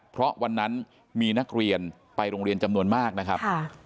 เพราะวันนั้นมีนักเรียนไปโรงเรียนจำนวนมากนะครับ